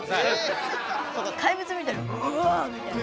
怪物みたいに「ウォ！」みたいな。